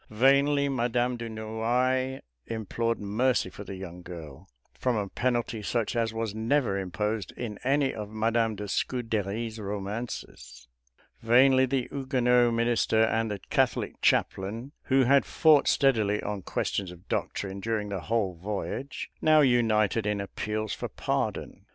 Vainly Madame de Noailles implored mercy for the young girl from a penalty such as was never imposed in any of Madame de Scudéry's romances; vainly the Huguenot minister and the Catholic chaplain, who had fought steadily on questions of doctrine during the whole voyage, now united in appeals for pardon.